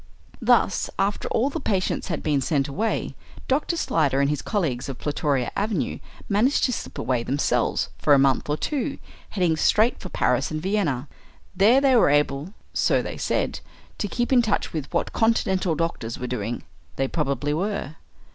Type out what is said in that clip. Thus, after all the patients had been sent away, Dr. Slyder and his colleagues of Plutoria Avenue managed to slip away themselves for a month or two, heading straight for Paris and Vienna. There they were able, so they said, to keep in touch with what continental doctors were doing. They probably were.